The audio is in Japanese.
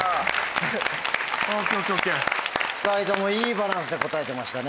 ２人ともいいバランスで答えてましたね。